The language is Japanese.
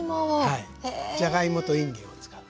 はいじゃがいもといんげんを使う。